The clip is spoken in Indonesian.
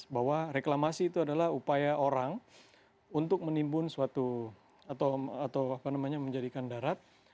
bahwa reklamasi itu adalah upaya orang untuk menimbun suatu atau apa namanya menjadikan darat